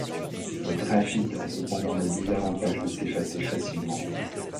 Le graphite a cependant le désavantage de s'effacer facilement.